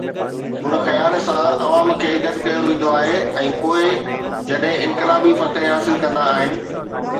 ان خيال سان عوام کي گڏ ڪيو ويندو آهي ۽ پوءِ جڏهن انقلابي فتح حاصل ڪندا آهن.